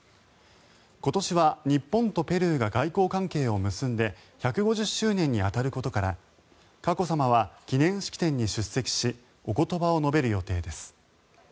今年は日本とペルーが外交関係を結んで１５０周年に当たることから佳子さまは記念式典に出席しお言葉を述べる予定です。